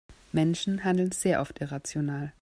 Menschen handeln sehr oft irrational.